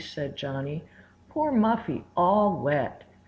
said Johnny. "Poor Muffy all wet!"